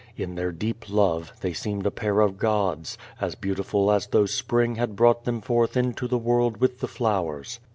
In their deep love, they seemed a pair of gods, as beautiful as though Spring had brought them forth into the world with the flowers.